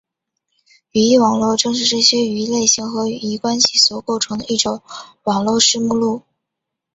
语义网络正是这些语义类型和语义关系所构成的一种网络式目录。